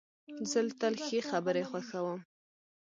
زه تل ښې خبري خوښوم.